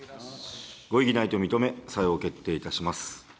ご異議ないと認め、さよう決定いたします。